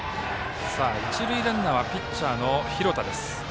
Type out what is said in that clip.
一塁ランナーはピッチャーの廣田。